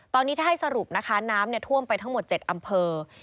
ตอนนี้ถ้าให้สรุปนะคะน้ำท่วมไปทั้งหมด๗อำเภอ